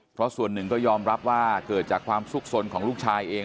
เพราะส่วนหนึ่งก็ยอมรับว่าเกิดจากความสุขสนของลูกชายเอง